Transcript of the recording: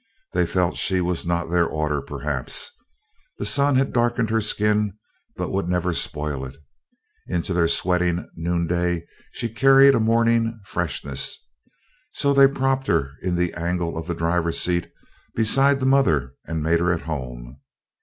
They felt she was not their order, perhaps. The sun had darkened her skin but would never spoil it; into their sweating noonday she carried a morning freshness, so they propped her in the angle of the driver's seat beside the mother and made her at home.